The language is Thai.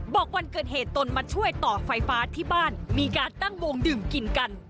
วันเกิดเหตุตนมาช่วยต่อไฟฟ้าที่บ้านมีการตั้งวงดื่มกินกัน